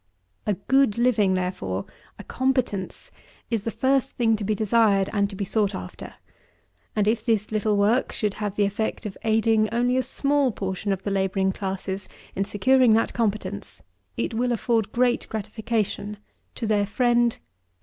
19. A good living therefore, a competence, is the first thing to be desired and to be sought after; and, if this little work should have the effect of aiding only a small portion of the Labouring Classes in securing that competence, it will afford great gratification to their friend WM.